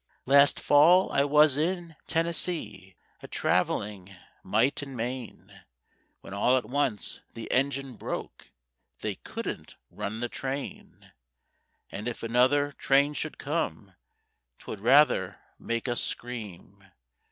"Last Fall I was in Tennessee A travelling might and main, When all at once the engine broke— They couldn't run the train; And if another train should come 'Twould rather make us scream."